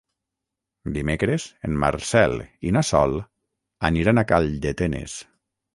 Dimecres en Marcel i na Sol aniran a Calldetenes.